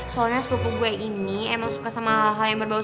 soalnya sepupu gue ini emang suka sama hal hal yang berbau